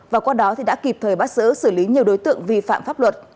và qua đó đã kịp thời bắt giữ xử lý nhiều đối tượng vi phạm pháp luật